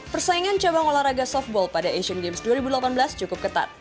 persaingan cabang olahraga softball pada asian games dua ribu delapan belas cukup ketat